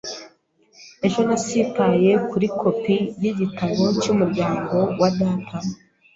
Ejo nasitaye kuri kopi yigitabo cyumuryango wa data.